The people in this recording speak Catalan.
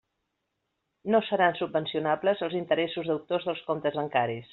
No seran subvencionables els interessos deutors dels comptes bancaris.